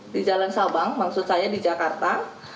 di jalan sabang maksud saya di jakarta